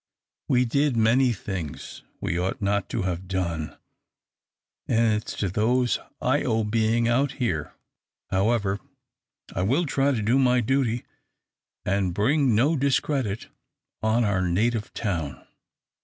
We did many things we ought not to have done, and it's to those I owe being out here. However, I will try to do my duty and bring no discredit on our native town."